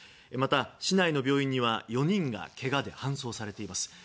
また、市内の病院には４人がけがで搬送されています。